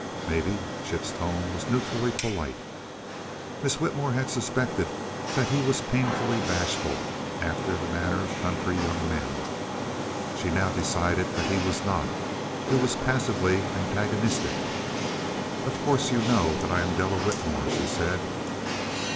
"Maybe." Chip's tone was neutrally polite. Miss Whitmore had suspected that he was painfully bashful, after the manner of country young men. She now decided that he was not; he was passively antagonistic. "Of course you know that I'm Della Whitmore," she said.